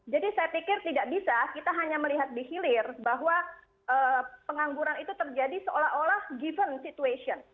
jadi saya pikir tidak bisa kita hanya melihat di hilir bahwa pengangguran itu terjadi seolah olah given situation